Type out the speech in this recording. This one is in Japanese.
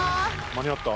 間に合った？